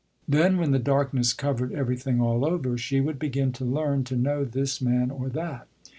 Then when the darkness covered everything all over, she would begin to learn to know this man or that.